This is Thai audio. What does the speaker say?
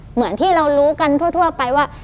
เหมือนที่เรารู้กันทั่วไปว่า